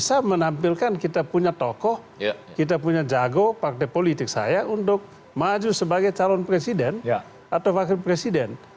saya menampilkan kita punya tokoh kita punya jago partai politik saya untuk maju sebagai calon presiden atau wakil presiden